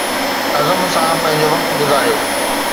عزم سان پنهنجو وقت گذاريو